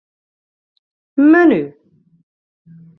Menu.